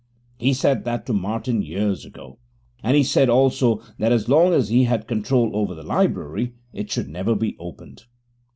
He said that to Martin years ago; and he said also that as long as he had control over the library it should never be opened.